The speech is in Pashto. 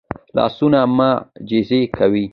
لاسونه معجزې کوي